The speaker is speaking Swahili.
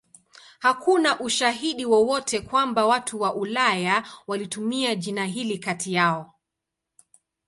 Hakuna ushahidi wowote kwamba watu wa Ulaya walitumia jina hili kati yao.